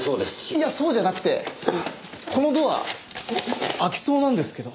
いやそうじゃなくてこのドア開きそうなんですけど。